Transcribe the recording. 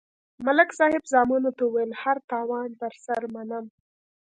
ملک صاحب زامنو ته ویل: هر تاوان پر سر منم.